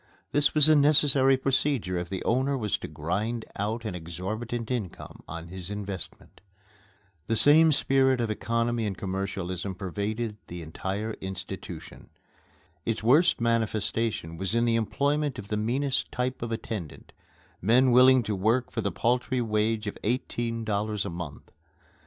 This was a necessary procedure if the owner was to grind out an exorbitant income on his investment. The same spirit of economy and commercialism pervaded the entire institution. Its worst manifestation was in the employment of the meanest type of attendant men willing to work for the paltry wage of eighteen dollars a month.